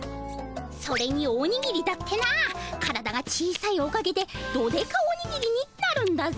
それにおにぎりだってな体が小さいおかげでドデカおにぎりになるんだぜ。